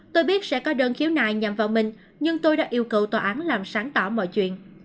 tôi biết sẽ có đơn khiếu nại nhằm vào mình nhưng tôi đã yêu cầu tòa án làm sáng tỏ mọi chuyện